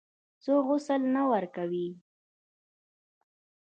څوک غسل نه ورکوي.